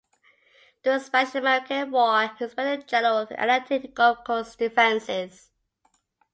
During the Spanish-American War he was inspector-general for the Atlantic and Gulf coast defenses.